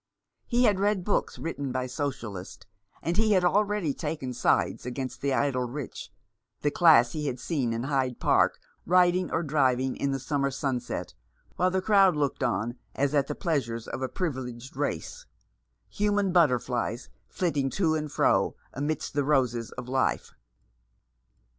He had read books written by Socialists, and he had already taken sides against the idle rich, the class he had seen in Hyde Park riding or driving in the summer sun set, while the crowd looked on as at the pleasures of a privileged race — human butterflies flitting to and fro amidst the roses of life.